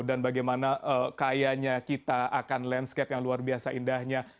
dan bagaimana kayanya kita akan landscape yang luar biasa indahnya